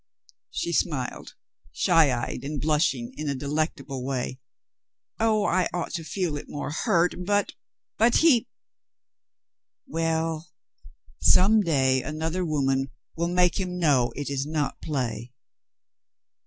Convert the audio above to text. She smiled, shy eyed, and blushing in a de lectable way. "Oh, I ought to feel it more hurt — but — but he — well, some day another woman will make him know it is not play."